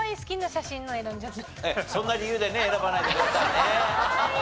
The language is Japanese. そんな理由でね選ばないでくださいね。